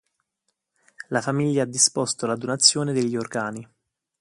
La famiglia ha disposto la donazione degli organi.